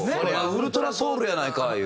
「ウルトラソウルやないかい！」